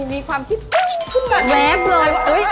มีความคิดตุ๊กขึ้นมาแล้ว